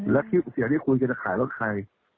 แล้วที่จะขายรถใคร